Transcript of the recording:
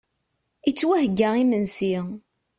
Ittwaheyya yimensi.